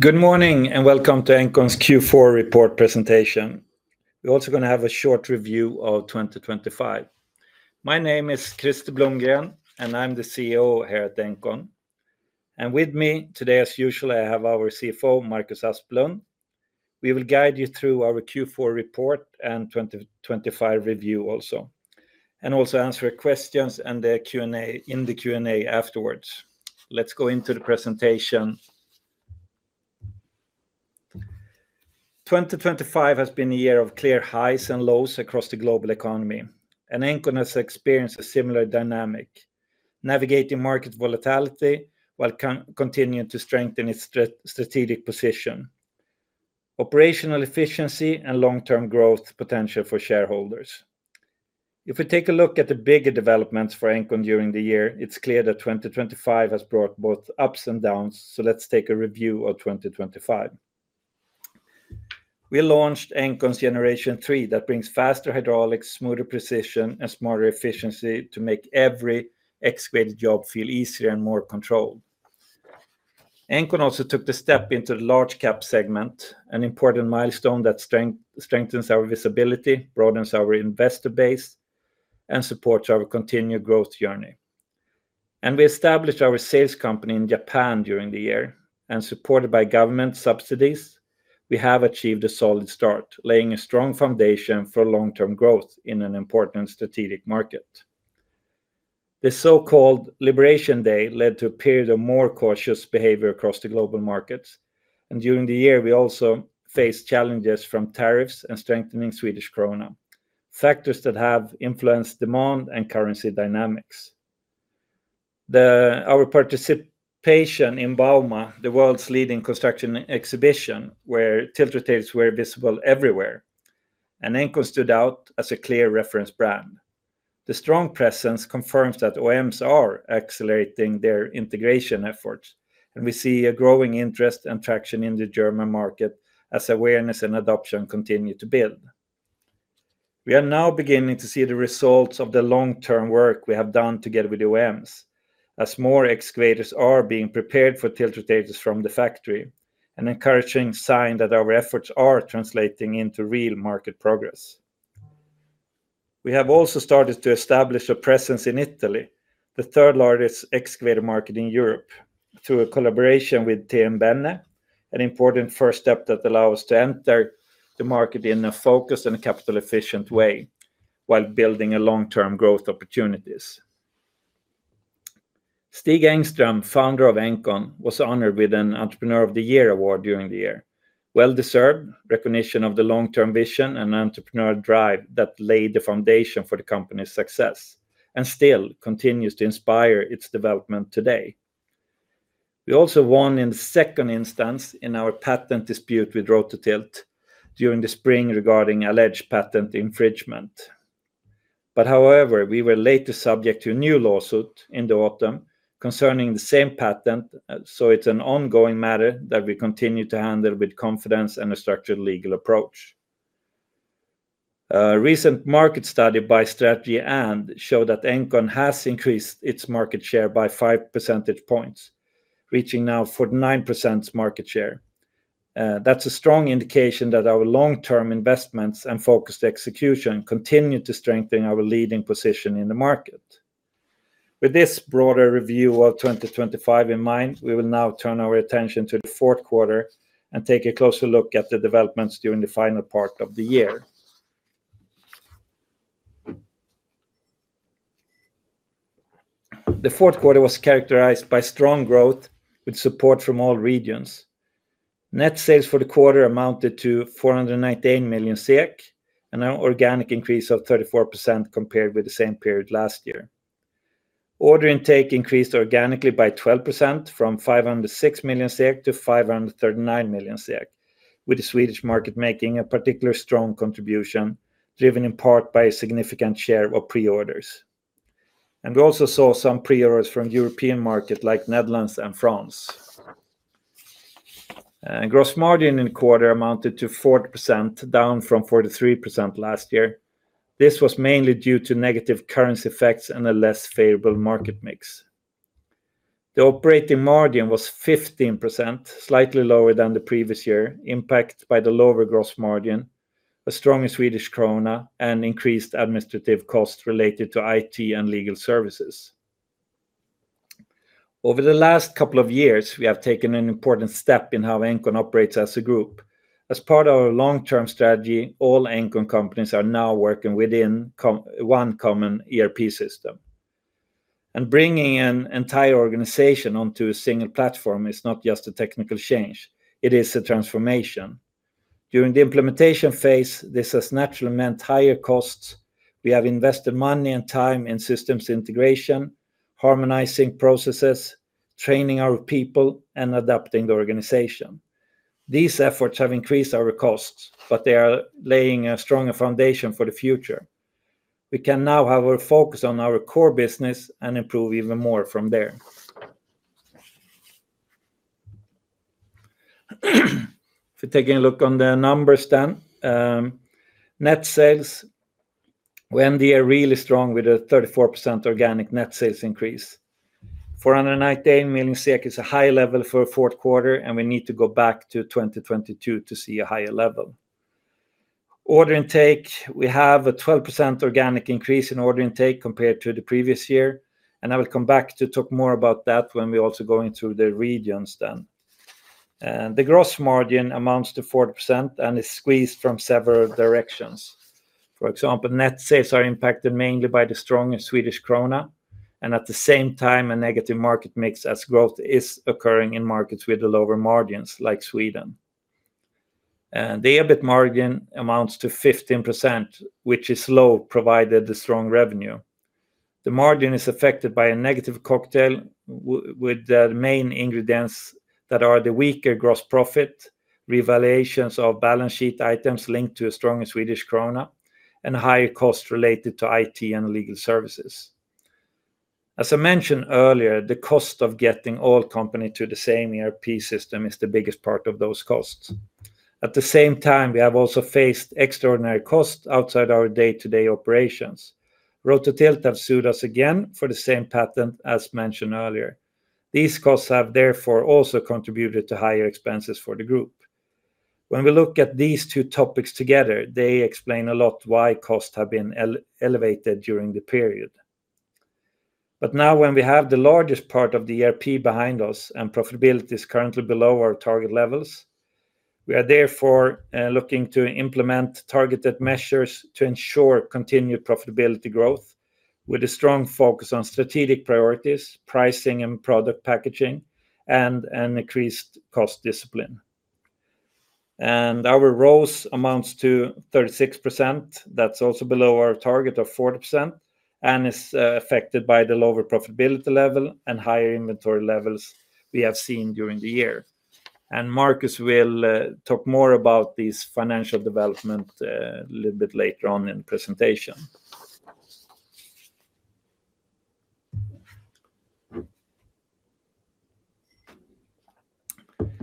Good morning, and welcome to engcon's Q4 report presentation. We're also going to have a short review of 2025. My name is Krister Blomgren, and I'm the CEO here at engcon. With me today, as usual, I have our CFO, Marcus Asplund. We will guide you through our Q4 report and 2025 review also, and also answer your questions in the Q&A afterwards. Let's go into the presentation. 2025 has been a year of clear highs and lows across the global economy, and engcon has experienced a similar dynamic, navigating market volatility while continuing to strengthen its strategic position, operational efficiency, and long-term growth potential for shareholders. If we take a look at the bigger developments for engcon during the year, it's clear that 2025 has brought both ups and downs. Let's take a review of 2025. We launched engcon's Generation Three, that brings faster hydraulics, smoother precision, and smarter efficiency to make every excavated job feel easier and more controlled. Engcon also took the step into the large cap segment, an important milestone that strengthens our visibility, broadens our investor base, and supports our continued growth journey. We established our sales company in Japan during the year, and supported by government subsidies, we have achieved a solid start, laying a strong foundation for long-term growth in an important strategic market. The so-called Liberation Day led to a period of more cautious behavior across the global markets, and during the year we also faced challenges from tariffs and strengthening Swedish krona, factors that have influenced demand and currency dynamics. Our participation in bauma, the world's leading construction exhibition, where tiltrotators were visible everywhere, and engcon stood out as a clear reference brand. The strong presence confirms that OEMs are accelerating their integration efforts, and we see a growing interest and traction in the German market as awareness and adoption continue to build. We are now beginning to see the results of the long-term work we have done together with OEMs, as more excavators are being prepared for tiltrotators from the factory, an encouraging sign that our efforts are translating into real market progress. We have also started to establish a presence in Italy, the third largest excavator market in Europe, through a collaboration with TM Benne, an important first step that allow us to enter the market in a focused and capital efficient way while building a long-term growth opportunities. Stig Engström, founder of engcon, was honored with an Entrepreneur of the Year award during the year. Well-deserved recognition of the long-term vision and entrepreneurial drive that laid the foundation for the company's success, and still continues to inspire its development today. We also won in the second instance in our patent dispute with Rototilt during the spring regarding alleged patent infringement. But however, we were later subject to a new lawsuit in the autumn concerning the same patent, so it's an ongoing matter that we continue to handle with confidence and a structured legal approach. A recent market study by Strategy& showed that engcon has increased its market share by 5 percentage points, reaching now 49% market share. That's a strong indication that our long-term investments and focused execution continue to strengthen our leading position in the market. With this broader review of 2025 in mind, we will now turn our attention to the fourth quarter and take a closer look at the developments during the final part of the year. The fourth quarter was characterized by strong growth with support from all regions. Net sales for the quarter amounted to 498 million SEK, an organic increase of 34% compared with the same period last year. Order intake increased organically by 12%, from 506 million to 539 million, with the Swedish market making a particularly strong contribution, driven in part by a significant share of pre-orders. We also saw some pre-orders from European market, like Netherlands and France. And gross margin in the quarter amounted to 40%, down from 43% last year. This was mainly due to negative currency effects and a less favorable market mix. The operating margin was 15%, slightly lower than the previous year, impacted by the lower gross margin, a stronger Swedish krona, and increased administrative costs related to IT and legal services. Over the last couple of years, we have taken an important step in how engcon operates as a group. As part of our long-term strategy, all engcon companies are now working within one common ERP system. And bringing an entire organization onto a single platform is not just a technical change, it is a transformation. During the implementation phase, this has naturally meant higher costs. We have invested money and time in systems integration, harmonizing processes, training our people, and adapting the organization. These efforts have increased our costs, but they are laying a stronger foundation for the future. We can now have our focus on our core business and improve even more from there. If we're taking a look on the numbers then, net sales. We ended a really strong with a 34% organic net sales increase. 498 million is a high level for a fourth quarter, and we need to go back to 2022 to see a higher level. Order intake, we have a 12% organic increase in order intake compared to the previous year, and I will come back to talk more about that when we also going through the regions then. And the gross margin amounts to 40% and is squeezed from several directions. For example, net sales are impacted mainly by the stronger Swedish krona, and at the same time, a negative market mix as growth is occurring in markets with the lower margins like Sweden. The EBIT margin amounts to 15%, which is low, provided the strong revenue. The margin is affected by a negative cocktail with the main ingredients that are the weaker gross profit, revaluations of balance sheet items linked to a stronger Swedish krona, and higher costs related to IT and legal services. As I mentioned earlier, the cost of getting all company to the same ERP system is the biggest part of those costs. At the same time, we have also faced extraordinary costs outside our day-to-day operations. Rototilt have sued us again for the same patent as mentioned earlier. These costs have therefore also contributed to higher expenses for the group. When we look at these two topics together, they explain a lot why costs have been elevated during the period. But now when we have the largest part of the ERP behind us and profitability is currently below our target levels, we are therefore looking to implement targeted measures to ensure continued profitability growth with a strong focus on strategic priorities, pricing and product packaging, and an increased cost discipline. Our ROCE amounts to 36%. That's also below our target of 40% and is affected by the lower profitability level and higher inventory levels we have seen during the year. Marcus will talk more about this financial development a little bit later on in the presentation.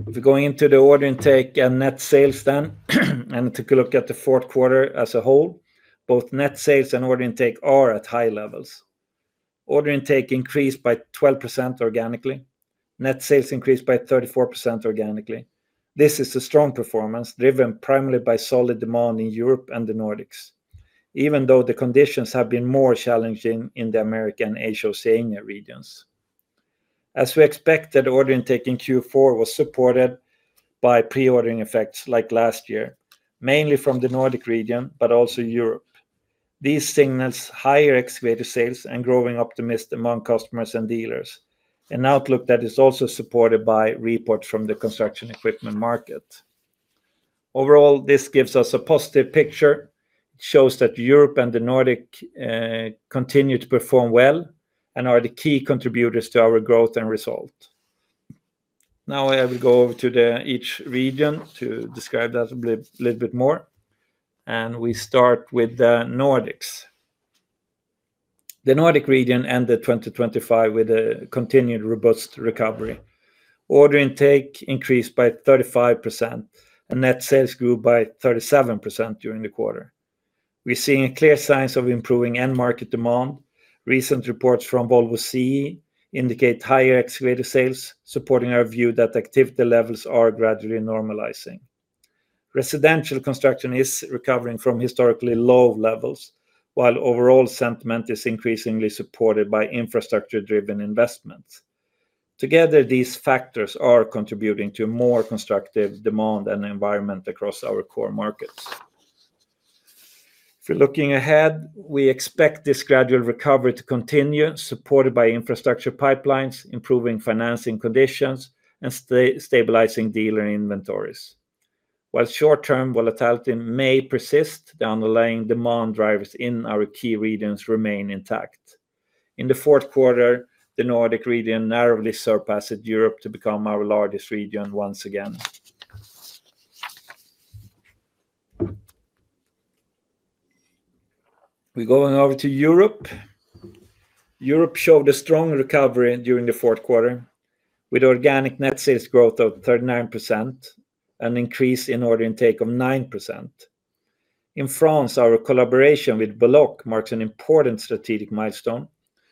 If we go into the order intake and net sales then, and take a look at the fourth quarter as a whole, both net sales and order intake are at high levels. Order intake increased by 12% organically. Net sales increased by 34% organically. This is a strong performance, driven primarily by solid demand in Europe and the Nordics, even though the conditions have been more challenging in the Americas, Asia, Oceania regions. As we expected, order intake in Q4 was supported by pre-ordering effects like last year, mainly from the Nordic region, but also Europe. These signals higher excavator sales and growing optimism among customers and dealers, an outlook that is also supported by reports from the construction equipment market. Overall, this gives us a positive picture. It shows that Europe and the Nordic continue to perform well and are the key contributors to our growth and result. Now, I will go over to the each region to describe that a little bit more, and we start with the Nordics. The Nordic region ended 2025 with a continued robust recovery. Order intake increased by 35%, and net sales grew by 37% during the quarter. We're seeing a clear signs of improving end market demand. Recent reports from Volvo CE indicate higher excavator sales, supporting our view that activity levels are gradually normalizing. Residential construction is recovering from historically low levels, while overall sentiment is increasingly supported by infrastructure-driven investments. Together, these factors are contributing to more constructive demand and environment across our core markets. If you're looking ahead, we expect this gradual recovery to continue, supported by infrastructure pipelines, improving financing conditions, and stabilizing dealer inventories. While short-term volatility may persist, the underlying demand drivers in our key regions remain intact. In the fourth quarter, the Nordic region narrowly surpassed Europe to become our largest region once again. We're going over to Europe. Europe showed a strong recovery during the fourth quarter, with organic net sales growth of 39% and increase in order intake of 9%. In France, our collaboration with Beauloc marks an important strategic milestone.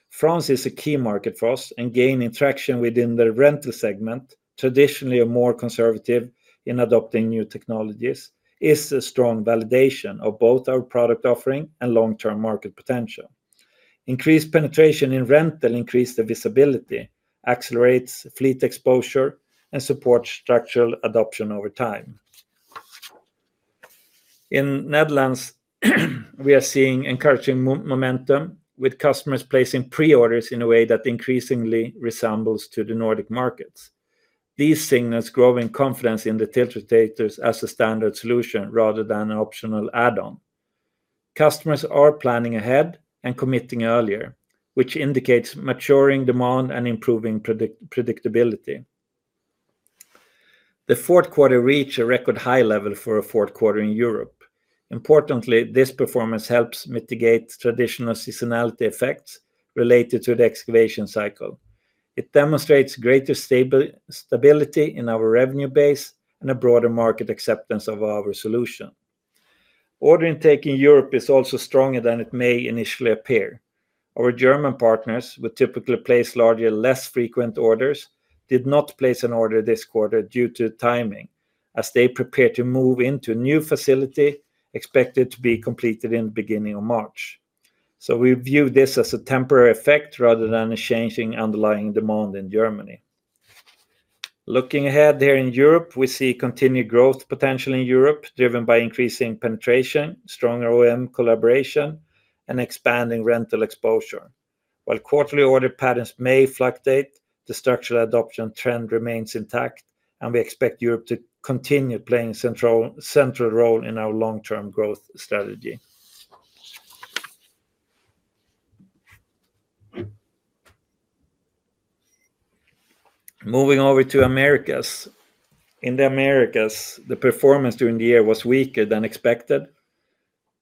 France is a key market for us, and gaining traction within the rental segment, traditionally, a more conservative in adopting new technologies, is a strong validation of both our product offering and long-term market potential. Increased penetration in rental increase the visibility, accelerates fleet exposure, and supports structural adoption over time. In the Netherlands, we are seeing encouraging momentum, with customers placing pre-orders in a way that increasingly resembles to the Nordic markets. These signals growing confidence in the tiltrotators as a standard solution rather than an optional add-on. Customers are planning ahead and committing earlier, which indicates maturing demand and improving predictability. The fourth quarter reached a record high level for a fourth quarter in Europe. Importantly, this performance helps mitigate traditional seasonality effects related to the excavation cycle. It demonstrates greater stability in our revenue base and a broader market acceptance of our solution. Order intake in Europe is also stronger than it may initially appear. Our German partners, who typically place larger, less frequent orders, did not place an order this quarter due to timing, as they prepare to move into a new facility expected to be completed in the beginning of March. So we view this as a temporary effect rather than a changing underlying demand in Germany. Looking ahead here in Europe, we see continued growth potential in Europe, driven by increasing penetration, stronger OEM collaboration, and expanding rental exposure. While quarterly order patterns may fluctuate, the structural adoption trend remains intact, and we expect Europe to continue playing central, central role in our long-term growth strategy. Moving over to Americas. In the Americas, the performance during the year was weaker than expected,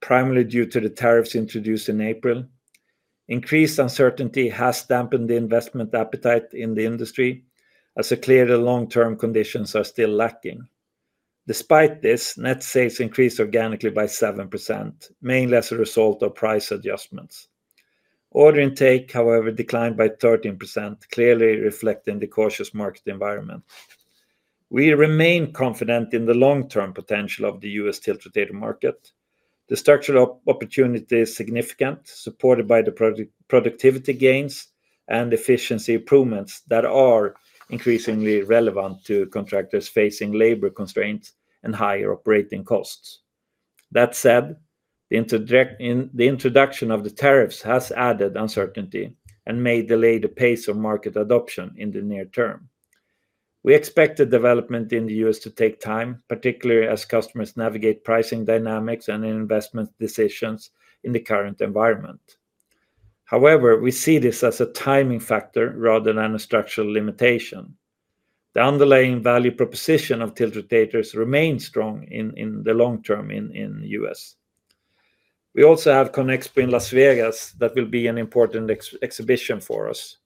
primarily due to the tariffs introduced in April. Increased uncertainty has dampened the investment appetite in the industry as a clear long-term conditions are still lacking. Despite this, net sales increased organically by 7%, mainly as a result of price adjustments. Order intake, however, declined by 13%, clearly reflecting the cautious market environment. We remain confident in the long-term potential of the U.S. tiltrotator market. The structural opportunity is significant, supported by the productivity gains and efficiency improvements that are increasingly relevant to contractors facing labor constraints and higher operating costs. That said, the introduction of the tariffs has added uncertainty and may delay the pace of market adoption in the near term. We expect the development in the U.S. to take time, particularly as customers navigate pricing dynamics and investment decisions in the current environment. However, we see this as a timing factor rather than a structural limitation. The underlying value proposition of tiltrotators remains strong in the long term in the U.S. We also have CONEXPO in Las Vegas, that will be an important exhibition for us.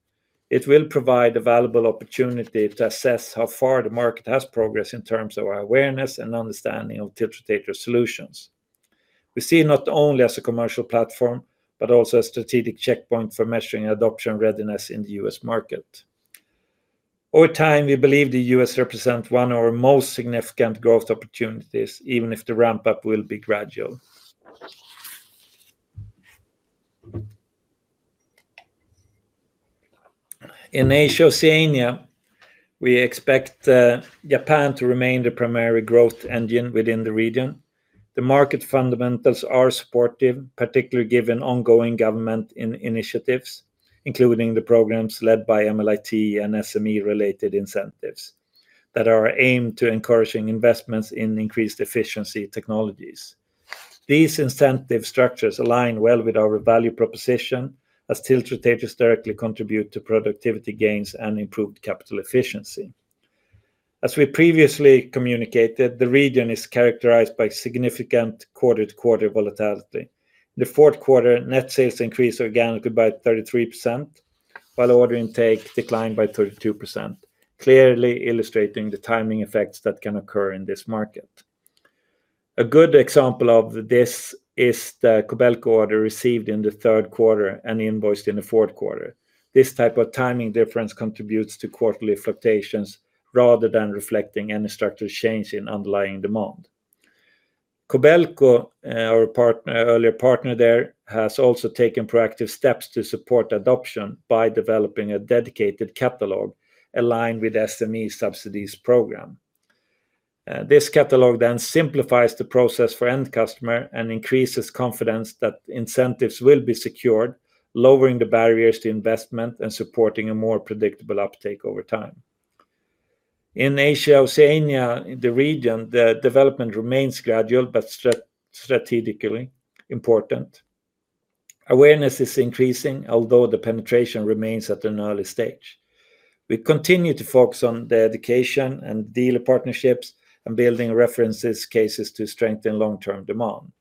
It will provide a valuable opportunity to assess how far the market has progressed in terms of our awareness and understanding of tiltrotator solutions. We see it not only as a commercial platform, but also a strategic checkpoint for measuring adoption readiness in the U.S. market. Over time, we believe the U.S. represent one of our most significant growth opportunities, even if the ramp-up will be gradual. In Asia-Oceania, we expect Japan to remain the primary growth engine within the region. The market fundamentals are supportive, particularly given ongoing government initiatives, including the programs led by MLIT and SME-related incentives that are aimed to encouraging investments in increased efficiency technologies. These incentive structures align well with our value proposition, as tiltrotators directly contribute to productivity gains and improved capital efficiency. As we previously communicated, the region is characterized by significant quarter-to-quarter volatility. The fourth quarter, net sales increased organically by 33%, while order intake declined by 32%, clearly illustrating the timing effects that can occur in this market. A good example of this is the Kobelco order received in the third quarter and invoiced in the fourth quarter. This type of timing difference contributes to quarterly fluctuations rather than reflecting any structural change in underlying demand. Kobelco, our partner, earlier partner there, has also taken proactive steps to support adoption by developing a dedicated catalog aligned with SME subsidies program. This catalog then simplifies the process for end customer and increases confidence that incentives will be secured, lowering the barriers to investment and supporting a more predictable uptake over time. In Asia-Oceania, the region, the development remains gradual but strategically important. Awareness is increasing, although the penetration remains at an early stage. We continue to focus on the education and dealer partnerships and building references cases to strengthen long-term demand.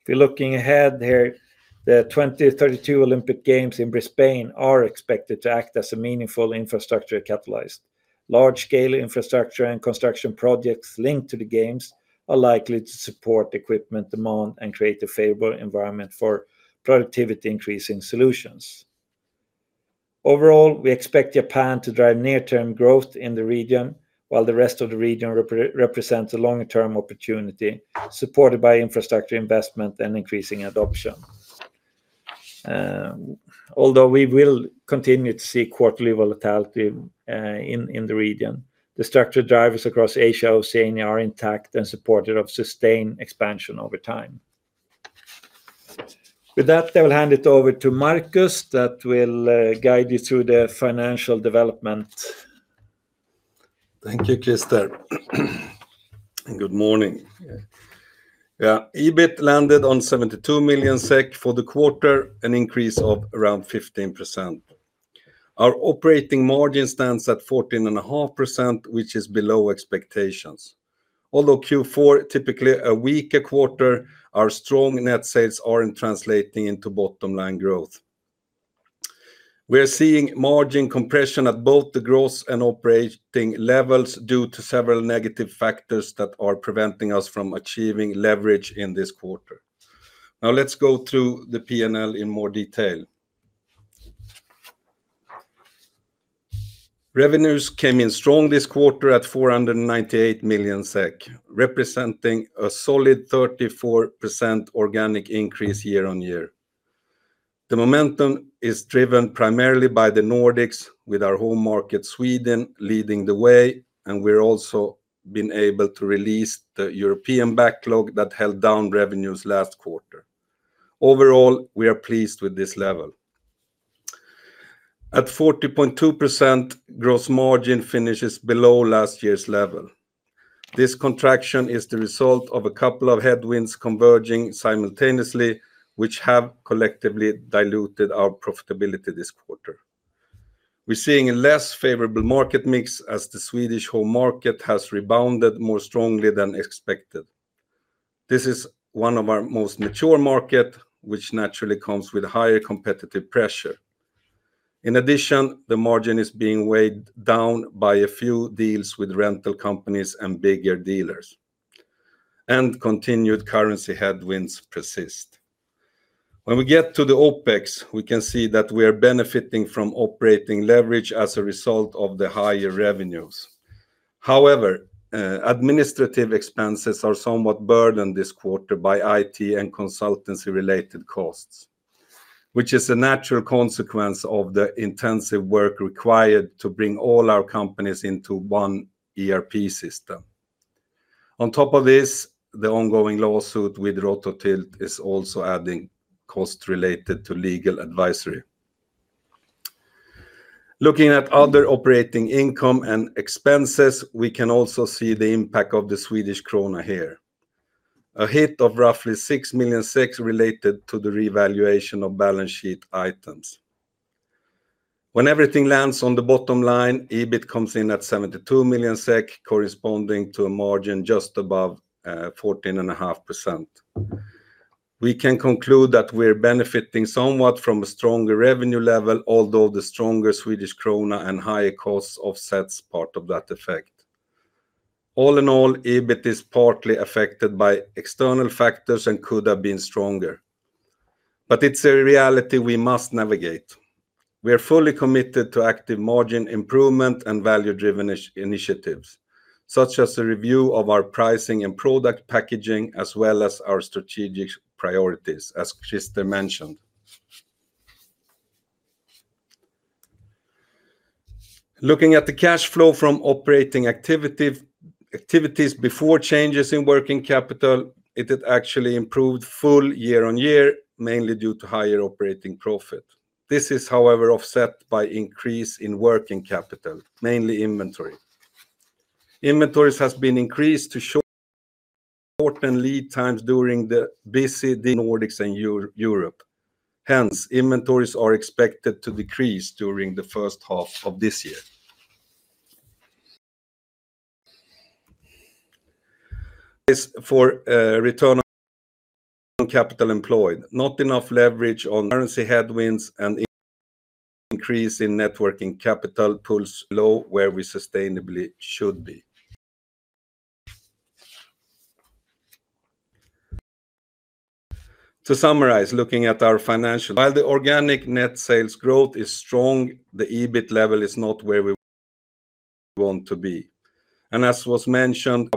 If we're looking ahead here, the 2032 Olympic Games in Brisbane are expected to act as a meaningful infrastructure catalyst. Large-scale infrastructure and construction projects linked to the games are likely to support equipment demand and create a favorable environment for productivity-increasing solutions. Overall, we expect Japan to drive near-term growth in the region, while the rest of the region represents a longer-term opportunity, supported by infrastructure investment and increasing adoption. Although we will continue to see quarterly volatility in the region, the structural drivers across Asia-Oceania are intact and supportive of sustained expansion over time. With that, I will hand it over to Marcus, that will guide you through the financial development. Thank you, Krister. Good morning. Yeah, EBIT landed on 72 million SEK for the quarter, an increase of around 15%. Our operating margin stands at 14.5%, which is below expectations. Although Q4, typically a weaker quarter, our strong net sales aren't translating into bottom line growth. We are seeing margin compression at both the gross and operating levels due to several negative factors that are preventing us from achieving leverage in this quarter. Now, let's go through the P&L in more detail. Revenues came in strong this quarter at 498 million SEK, representing a solid 34% organic increase year-on-year. The momentum is driven primarily by the Nordics, with our home market, Sweden, leading the way, and we're also been able to release the European backlog that held down revenues last quarter. Overall, we are pleased with this level. At 40.2%, gross margin finishes below last year's level. This contraction is the result of a couple of headwinds converging simultaneously, which have collectively diluted our profitability this quarter. We're seeing a less favorable market mix as the Swedish home market has rebounded more strongly than expected. This is one of our most mature markets, which naturally comes with higher competitive pressure. In addition, the margin is being weighed down by a few deals with rental companies and bigger dealers, and continued currency headwinds persist. When we get to the OpEx, we can see that we are benefiting from operating leverage as a result of the higher revenues. However, administrative expenses are somewhat burdened this quarter by IT and consultancy-related costs, which is a natural consequence of the intensive work required to bring all our companies into one ERP system. On top of this, the ongoing lawsuit with Rototilt is also adding cost related to legal advisory. Looking at other operating income and expenses, we can also see the impact of the Swedish krona here. A hit of roughly 6 million related to the revaluation of balance sheet items. When everything lands on the bottom line, EBIT comes in at 72 million SEK, corresponding to a margin just above fourteen and a half percent. We can conclude that we're benefiting somewhat from a stronger revenue level, although the stronger Swedish krona and higher costs offsets part of that effect. All in all, EBIT is partly affected by external factors and could have been stronger, but it's a reality we must navigate. We are fully committed to active margin improvement and value-driven initiatives, such as a review of our pricing and product packaging, as well as our strategic priorities, as Krister mentioned. Looking at the cash flow from operating activities before changes in working capital, it had actually improved full year-on-year, mainly due to higher operating profit. This is, however, offset by increase in working capital, mainly inventory. Inventories has been increased to show important lead times during the busy the Nordics and Europe. Hence, inventories are expected to decrease during the first half of this year. This for return on capital employed, not enough leverage on currency headwinds and increase in net working capital pulls low where we sustainably should be. To summarize, looking at our financials, while the organic net sales growth is strong, the EBIT level is not where we want to be. As was mentioned,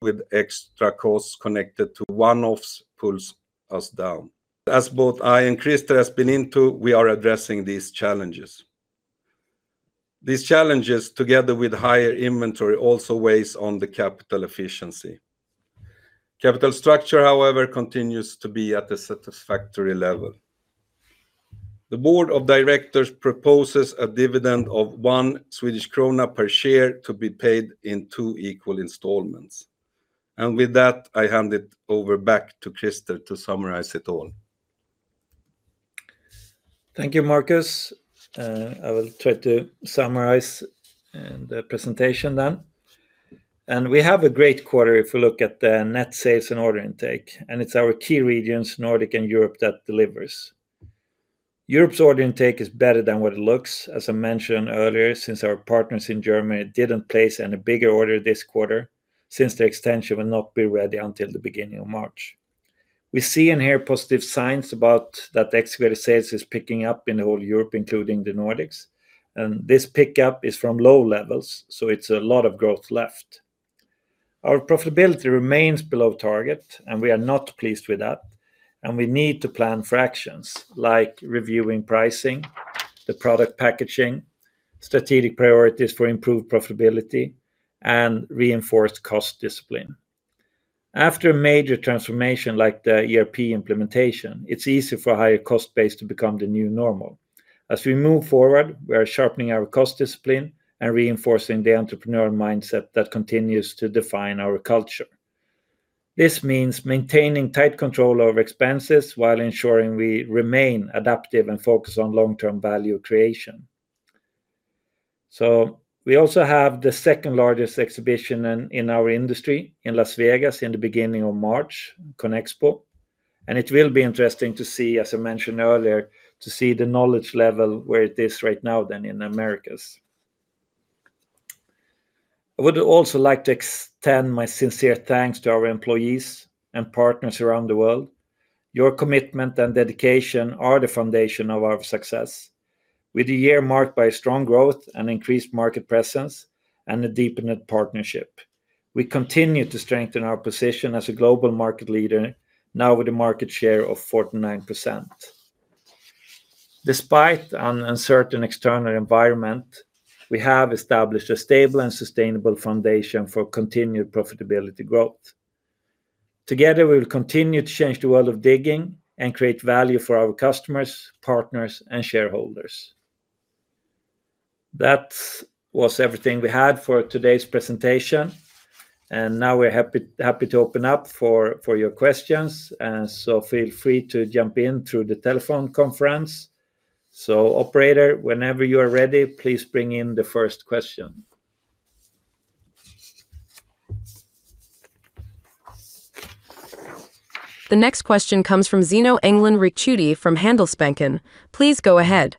with extra costs connected to one-offs pulls us down. As both I and Krister has been into, we are addressing these challenges. These challenges, together with higher inventory, also weighs on the capital efficiency. Capital structure, however, continues to be at a satisfactory level. The board of directors proposes a dividend of 1 Swedish krona per share to be paid in two equal installments. With that, I hand it over back to Krister to summarize it all. Thank you, Marcus. I will try to summarize the presentation then. We have a great quarter if we look at the net sales and order intake, and it's our key regions, Nordic and Europe, that delivers. Europe's order intake is better than what it looks, as I mentioned earlier, since our partners in Germany didn't place any bigger order this quarter, since the extension will not be ready until the beginning of March. We see and hear positive signs about that the excavator sales is picking up in the whole Europe, including the Nordics, and this pickup is from low levels, so it's a lot of growth left. Our profitability remains below target, and we are not pleased with that, and we need to plan for actions like reviewing pricing, the product packaging, strategic priorities for improved profitability, and reinforced cost discipline. After a major transformation, like the ERP implementation, it's easy for a higher cost base to become the new normal. As we move forward, we are sharpening our cost discipline and reinforcing the entrepreneurial mindset that continues to define our culture. This means maintaining tight control over expenses while ensuring we remain adaptive and focused on long-term value creation. We also have the second largest exhibition in our industry in Las Vegas in the beginning of March, CONEXPO. It will be interesting to see, as I mentioned earlier, the knowledge level where it is right now in the Americas. I would also like to extend my sincere thanks to our employees and partners around the world. Your commitment and dedication are the foundation of our success. With the year marked by strong growth and increased market presence, and a deepened partnership, we continue to strengthen our position as a global market leader now with a market share of 49%. Despite an uncertain external environment, we have established a stable and sustainable foundation for continued profitability growth. Together, we will continue to change the world of digging and create value for our customers, partners, and shareholders. That was everything we had for today's presentation, and now we're happy, happy to open up for, for your questions. And so feel free to jump in through the telephone conference. So operator, whenever you are ready, please bring in the first question. The next question comes from Zino Engdalen Ricciuti from Handelsbanken. Please go ahead.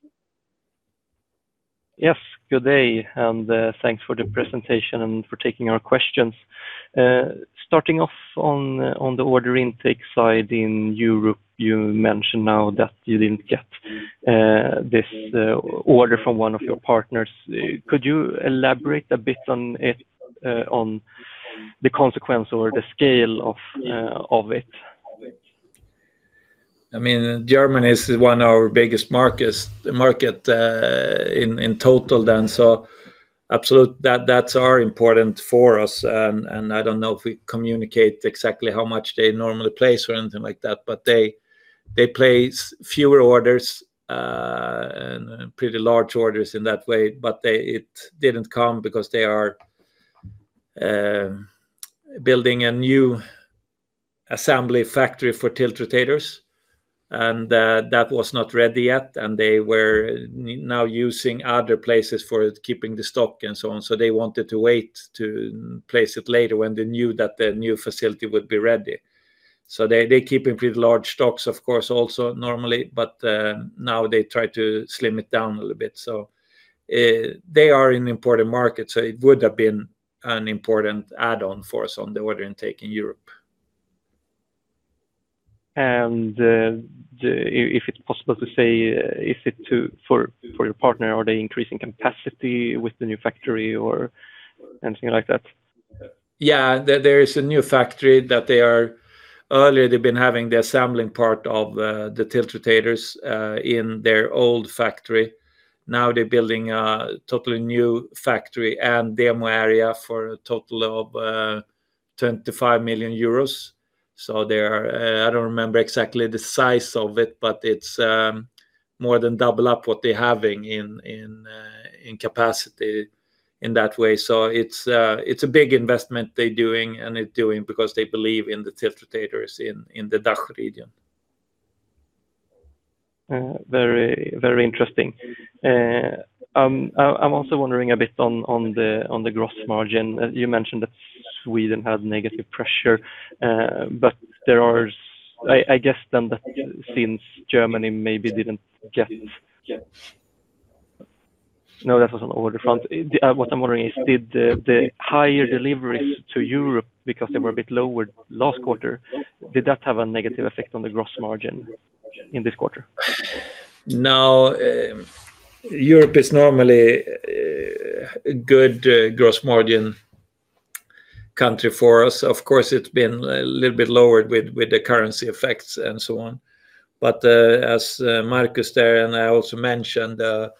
Yes, good day, and, thanks for the presentation and for taking our questions. Starting off on the order intake side in Europe, you mentioned now that you didn't get this order from one of your partners. Could you elaborate a bit on it, on the consequence or the scale of it? I mean, Germany is one of our biggest markets in total then, so absolutely, that's important for us. I don't know if we communicate exactly how much they normally place or anything like that, but they place fewer orders and pretty large orders in that way. But they, it didn't come because they are building a new assembly factory for tiltrotators, and that was not ready yet, and they were now using other places for keeping the stock and so on. So they wanted to wait to place it later when they knew that the new facility would be ready. So they keeping pretty large stocks, of course, also normally, but now they try to slim it down a little bit. So, they are an important market, so it would have been an important add-on for us on the order intake in Europe. If it's possible to say, if it to, for your partner, are they increasing capacity with the new factory or anything like that? Yeah. There is a new factory that they are, earlier, they've been having the assembling part of the tiltrotators in their old factory. Now they're building a totally new factory and demo area for a total of 25 million euros. So they are, I don't remember exactly the size of it, but it's more than double up what they having in capacity in that way. So it's a big investment they're doing, and they're doing because they believe in the tiltrotators in the DACH region. Very, very interesting. I'm also wondering a bit on the gross margin. You mentioned that Sweden had negative pressure, but there are, I guess then that since Germany may be didn't get. No, that was on order front. What I'm wondering is, did the higher deliveries to Europe, because they were a bit lower last quarter, did that have a negative effect on the gross margin in this quarter? No, Europe is normally a good gross margin country for us. Of course, it's been a little bit lower with the currency effects and so on. But, as Marcus there, and I also mentioned, that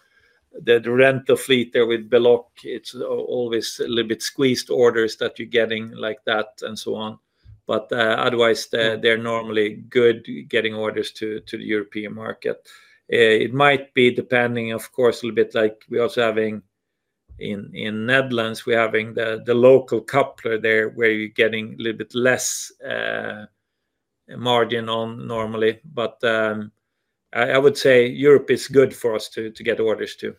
the rental fleet there with Beauloc, it's always a little bit squeezed orders that you're getting like that and so on. But, otherwise, they're normally good getting orders to the European market. It might be depending, of course, a little bit like we're also having in Netherlands, we're having the local coupler there, where you're getting a little bit less margin on normally. But, I would say Europe is good for us to get orders to.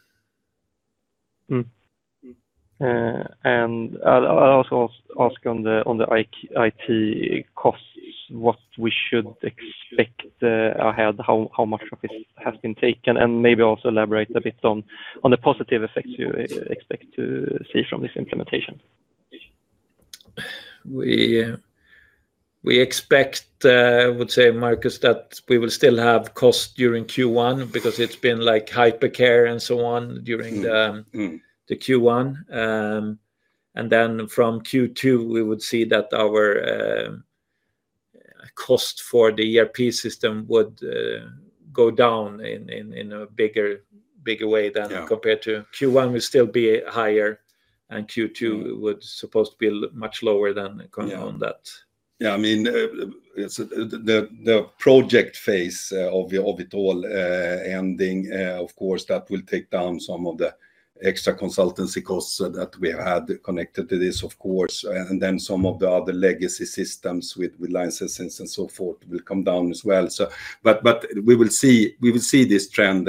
And I'll also ask on the IT costs, what we should expect ahead, how much of it has been taken, and maybe also elaborate a bit on the positive effects you expect to see from this implementation. We expect, I would say, Marcus, that we will still have cost during Q1 because it's been like hypercare and so on during the Q1. Then from Q2, we would see that our cost for the ERP system would go down in a bigger way than- Yeah... compared to Q1 will still be higher and Q2 would supposed to be much lower than counting on that. Yeah, I mean, it's the project phase of it all ending, of course, that will take down some of the extra consultancy costs that we had connected to this, of course. And then some of the other legacy systems with licenses and so forth will come down as well. So, but we will see this trend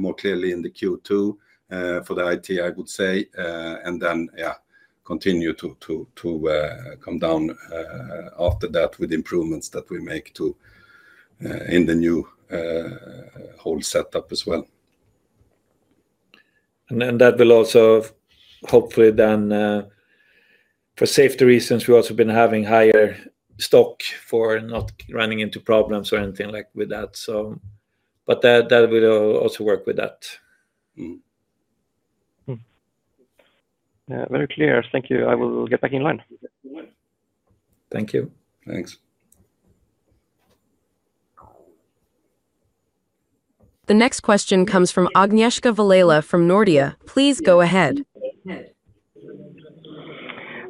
more clearly in the Q2 for the IT, I would say. And then, yeah, continue to come down after that with improvements that we make to the new whole setup as well. And then that will also hopefully then, for safety reasons, we've also been having higher stock for not running into problems or anything like with that. So but that, that will also work with that. Yeah, very clear. Thank you. I will get back in line. Thank you. Thanks. The next question comes from Agnieszka Vilela from Nordea. Please go ahead.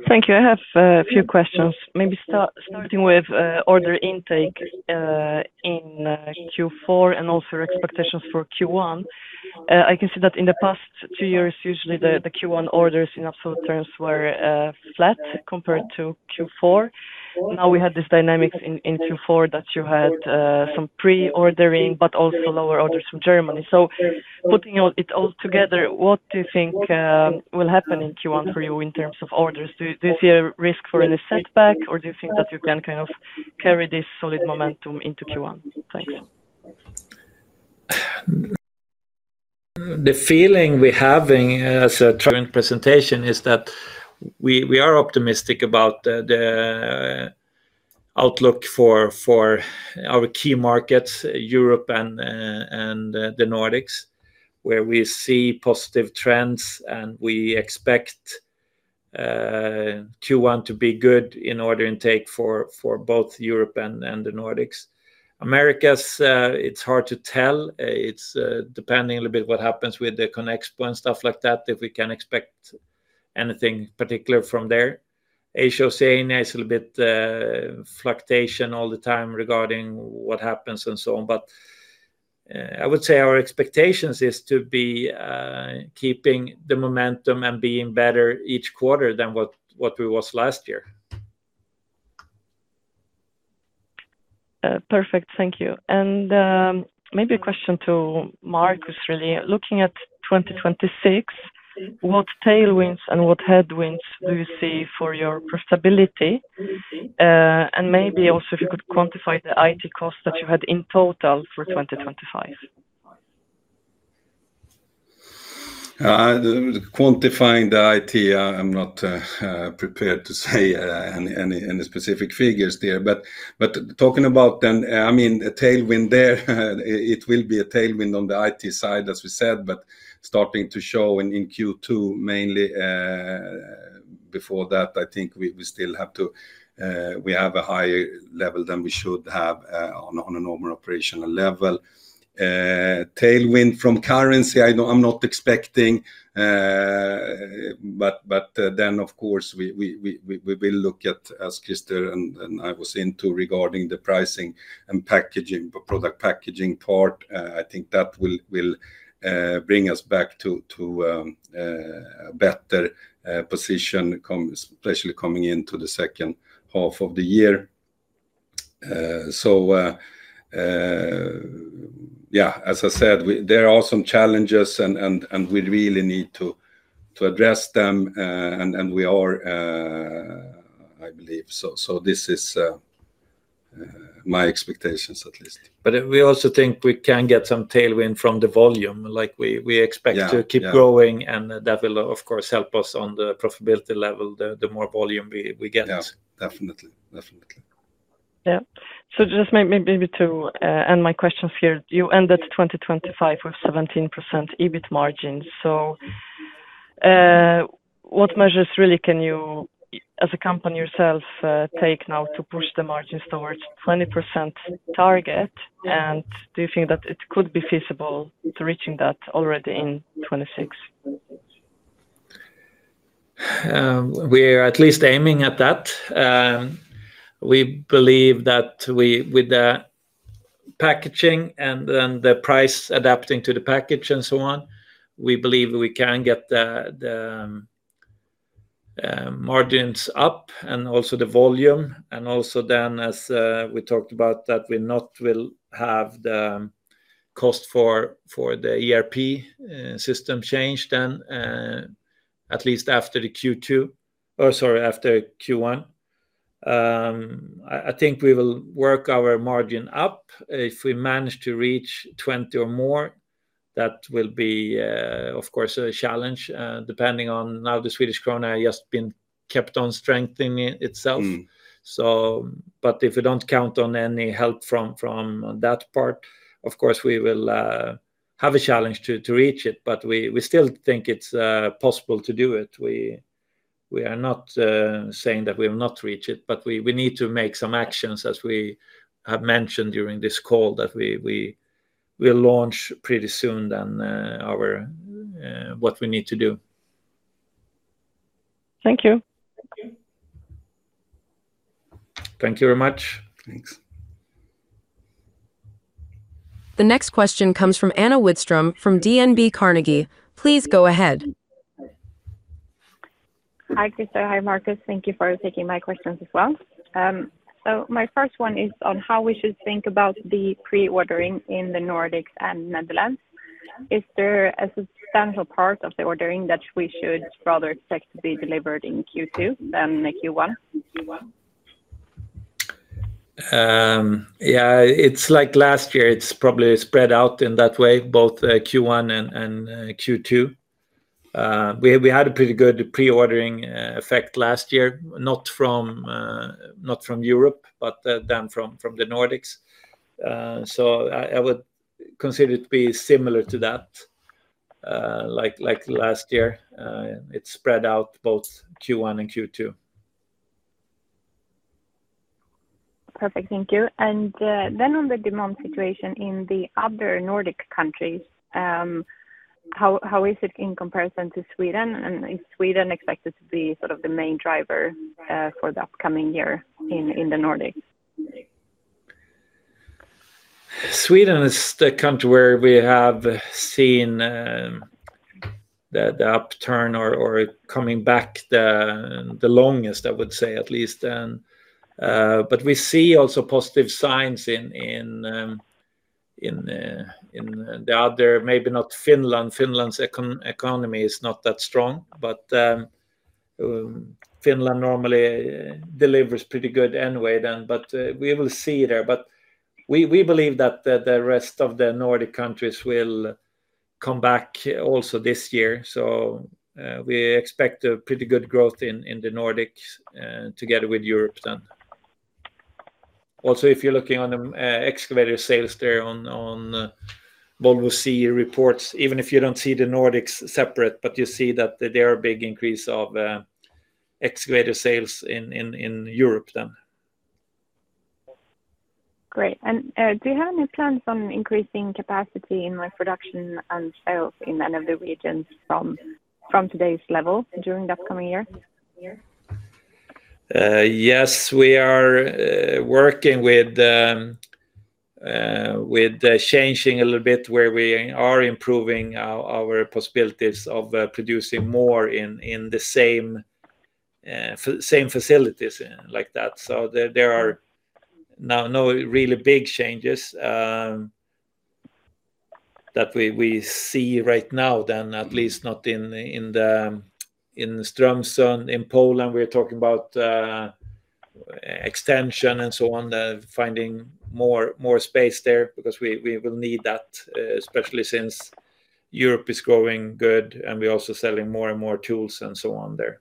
Thank you. I have a few questions. Maybe starting with order intake in Q4 and also your expectations for Q1. I can see that in the past two years, usually the Q1 orders in absolute terms were flat compared to Q4. Now, we had this dynamics in Q4 that you had some pre-ordering, but also lower orders from Germany. So putting it all together, what do you think will happen in Q1 for you in terms of orders? Do you see a risk for any setback, or do you think that you can kind of carry this solid momentum into Q1? Thanks. The feeling we're having as a current presentation is that we are optimistic about the outlook for our key markets, Europe and the Nordics, where we see positive trends, and we expect Q1 to be good in order intake for both Europe and the Nordics. Americas, it's hard to tell. It's depending a little bit what happens with the CONEXPO and stuff like that, if we can expect anything particular from there. Asia and Oceania is a little bit fluctuation all the time regarding what happens and so on. But I would say our expectations is to be keeping the momentum and being better each quarter than what we was last year. Perfect. Thank you. And maybe a question to Marcus, is really looking at 2026, what tailwinds and what headwinds do you see for your profitability? And maybe also if you could quantify the IT cost that you had in total for 2025. Quantifying the IT, I'm not prepared to say any specific figures there. But talking about then, I mean, a tailwind there, it will be a tailwind on the IT side, as we said, but starting to show in Q2, mainly. Before that, I think we still have a higher level than we should have on a normal operational level. Tailwind from currency, I know I'm not expecting, but then, of course, we will look at, as Krister and I was into regarding the pricing and packaging, product packaging part, I think that will bring us back to a better position, especially coming into the second half of the year. So, yeah, as I said, there are some challenges and we really need to address them, and we are, I believe so. So this is my expectations at least. But we also think we can get some tailwind from the volume, like we expect- Yeah... to keep growing, and that will, of course, help us on the profitability level, the more volume we get. Yeah, definitely. Definitely. Yeah. So just maybe to end my questions here. You ended 2025 with 17% EBIT margins. So, what measures really can you, as a company yourself, take now to push the margins towards 20% target? And do you think that it could be feasible to reaching that already in 2026? We are at least aiming at that. We believe that with the packaging and then the price adapting to the package and so on, we believe we can get the margins up and also the volume. And also then, as we talked about, that we not will have the cost for the ERP system change then, at least after the Q2, or sorry, after Q1. I think we will work our margin up. If we manage to reach 20 or more, that will be, of course, a challenge, depending on how the Swedish krona has been kept on strengthening itself. But if you don't count on any help from that part, of course, we will have a challenge to reach it, but we still think it's possible to do it. We are not saying that we will not reach it, but we need to make some actions, as we have mentioned during this call, that we'll launch pretty soon then our what we need to do. Thank you. Thank you very much. Thanks. The next question comes from Anna Widström from DNB Carnegie. Please go ahead. Hi, Krister. Hi, Marcus. Thank you for taking my questions as well. So, my first one is on how we should think about the pre-ordering in the Nordics and Netherlands. Is there a substantial part of the ordering that we should rather expect to be delivered in Q2 than the Q1? Yeah, it's like last year. It's probably spread out in that way, both Q1 and Q2. We had a pretty good pre-ordering effect last year, not from Europe, but than from the Nordics. So I would consider it to be similar to that, like last year. It spread out both Q1 and Q2. Perfect. Thank you. And then on the demand situation in the other Nordic countries, how is it in comparison to Sweden? And is Sweden expected to be sort of the main driver for the upcoming year in the Nordics? Sweden is the country where we have seen the upturn or it coming back the longest, I would say at least. Then but we see also positive signs in the other, maybe not Finland. Finland's economy is not that strong, but Finland normally delivers pretty good anyway then. But we will see there. But we believe that the rest of the Nordic countries will come back also this year, so we expect a pretty good growth in the Nordics, together with Europe then. Also, if you're looking on the excavator sales there on Volvo CE reports, even if you don't see the Nordics separate, but you see that there are a big increase of excavator sales in Europe then. Great. Do you have any plans on increasing capacity in production and sales in any of the regions from today's level during the upcoming year? Yes. We are working with changing a little bit where we are improving our possibilities of producing more in the same facilities, like that. So there are no really big changes that we see right now, than at least not in the in Strömsund. In Poland, we're talking about extension and so on, finding more space there because we will need that, especially since Europe is growing good and we're also selling more and more tools and so on there.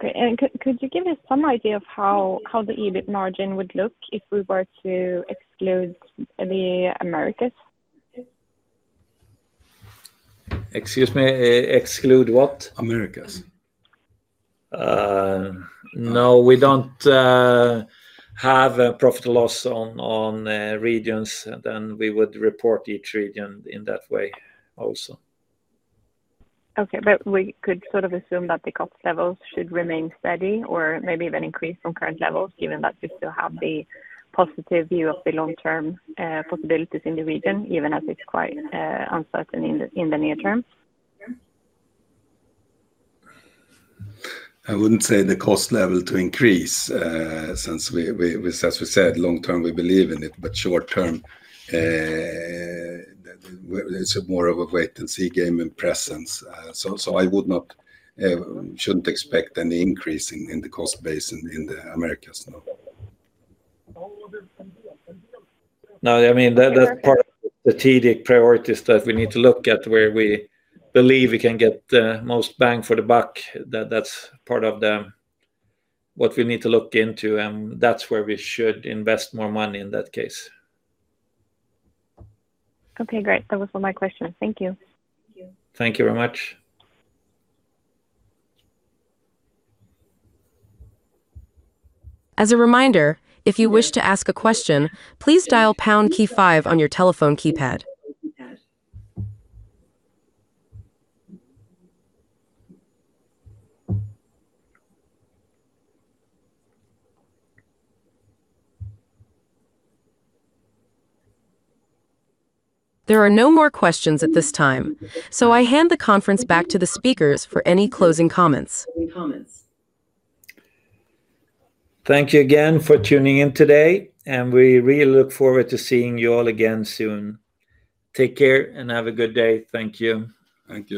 Great. Could you give us some idea of how the EBIT margin would look if we were to exclude the Americas? Excuse me, exclude what? Americas. No, we don't have a profit loss on regions, then we would report each region in that way also. Okay. But we could sort of assume that the cost levels should remain steady or maybe even increase from current levels, given that we still have the positive view of the long-term possibilities in the region, even as it's quite uncertain in the near term? I wouldn't say the cost level to increase, since we, as we said, long term, we believe in it, but short term, it's more of a wait and see game in the present. So, I would not, shouldn't expect any increase in the cost base in the Americas, no. No, I mean, that, that's part of the strategic priorities that we need to look at, where we believe we can get the most bang for the buck. That, that's part of the, what we need to look into, and that's where we should invest more money in that case. Okay, great. Those were my questions. Thank you. Thank you very much. As a reminder, if you wish to ask a question, please dial pound key five on your telephone keypad. There are no more questions at this time, so I hand the conference back to the speakers for any closing comments. Thank you again for tuning in today, and we really look forward to seeing you all again soon. Take care and have a good day. Thank you. Thank you.